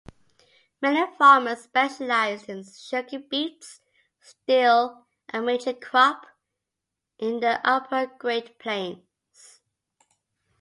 Many farmers specialized in sugar beets-still a major crop in the upper Great Plains.